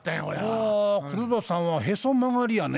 あ黒田さんはへそ曲がりやね。